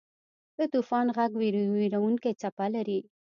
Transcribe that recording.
د طوفان ږغ وېرونکې څپه لري.